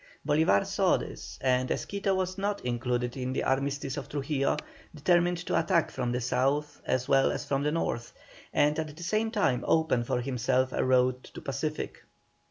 Bolívar saw this, and as Quito was not included in the armistice of Trujillo, determined to attack from the South as well as from the North, and at the same time open for himself a road to the Pacific.